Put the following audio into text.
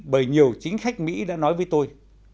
bởi nhiều chính khách mỹ đã nói với tôi